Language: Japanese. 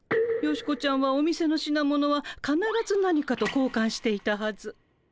ヨシコちゃんはお店の品物はかならず何かと交換していたはず。